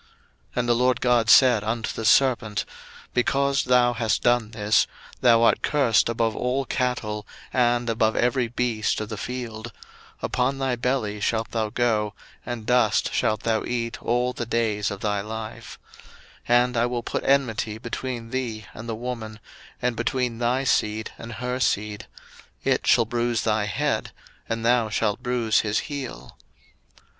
01:003:014 And the LORD God said unto the serpent, Because thou hast done this, thou art cursed above all cattle, and above every beast of the field; upon thy belly shalt thou go, and dust shalt thou eat all the days of thy life: 01:003:015 And I will put enmity between thee and the woman, and between thy seed and her seed; it shall bruise thy head, and thou shalt bruise his heel.